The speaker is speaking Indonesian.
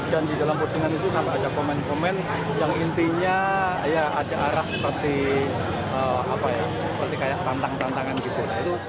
dan di dalam postingan itu selalu ada komen komen yang intinya ada arah seperti tantangan tantangan gitu